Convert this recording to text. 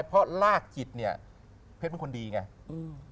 เพศเป็นคนดีไง